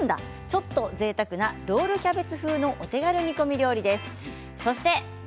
ちょっとぜいたくなロールキャベツ風のお手軽料理です。